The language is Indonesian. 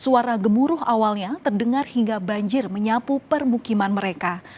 suara gemuruh awalnya terdengar hingga banjir menyapu permukiman mereka